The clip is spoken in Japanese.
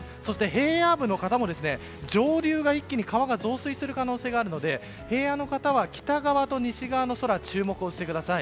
そして、上流が一気に増水している可能性があるので平野の方は北側と西側の空に注目してください。